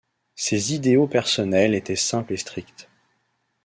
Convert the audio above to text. Ses idéaux personnels étaient simples et stricts.